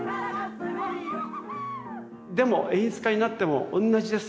でも演出家になっても同じです。